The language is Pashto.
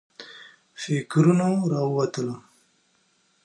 فکرونو راووتلم.